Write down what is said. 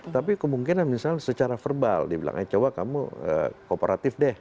tapi kemungkinan misalnya secara verbal dia bilang coba kamu kooperatif deh